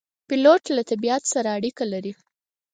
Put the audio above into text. پیلوټ له طبیعت سره اړیکه لري.